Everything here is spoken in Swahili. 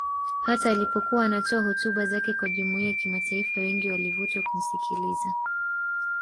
Hata alipokuwa anatoa hotuba zake kwa Jumuiya Kimataifa wengi walivutwa kumsikiliza